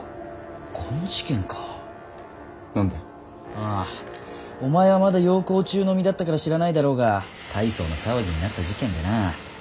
ああお前はまだ洋行中の身だったから知らないだろうが大層な騒ぎになった事件でな。